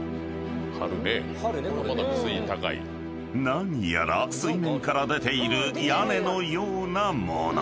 ［何やら水面から出ている屋根のような物］